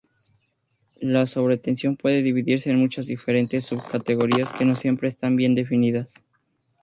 La sobretensión puede dividirse en muchas diferentes subcategorías que no siempre están bien definidas.